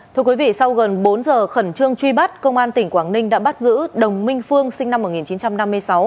thưa quý vị sau gần bốn giờ khẩn trương truy bắt công an tỉnh quảng ninh đã bắt giữ đồng minh phương sinh năm một nghìn chín trăm năm mươi sáu